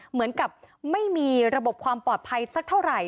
เหมือนกับไม่มีระบบความปลอดภัยสักเท่าไหร่